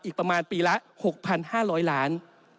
อีกประมาณปีละ๖๕๐๐ล้าน